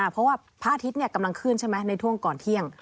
เพราะว่าพระอาทิตย์กำลังขึ้นใช่ไหมในช่วงก่อนเที่ยง